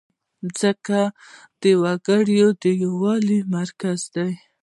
مځکه د وګړو د یووالي مرکز ده.